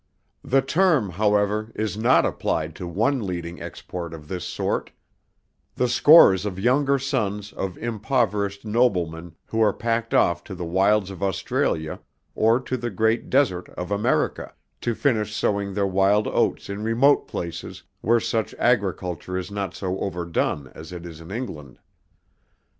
The term, however, is not applied to one leading export of this sort: the scores of younger sons of impoverished Noblemen who are packed off to the wilds of Australia or to the Great Desert of America, to finish sowing their wild oats in remote places, where such agriculture is not so overdone as it is in England.